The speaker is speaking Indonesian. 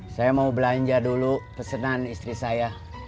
saya mau belanja dulu pesanan istri saya